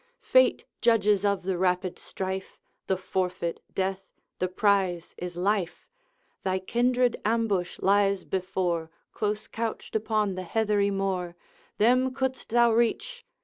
Fate judges of the rapid strife The forfeit death the prize is life; Thy kindred ambush lies before, Close couched upon the heathery moor; Them couldst thou reach!